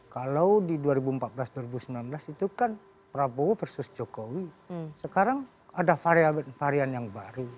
kalau di dua ribu empat belas dua ribu sembilan belas itu kan prabowo versus jokowi sekarang ada varian yang baru